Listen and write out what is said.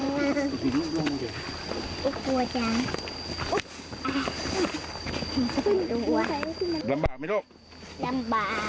ระวังน่ะอุ๊ยกลัวจังอุ๊ยลำบากไหมลูกลำบาก